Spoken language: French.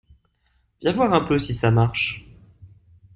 Viens voir un peu si ça marche.